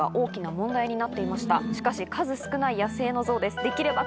しかし数少ない野生のゾウです。